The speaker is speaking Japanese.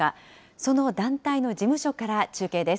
その団体の事務所から中継です。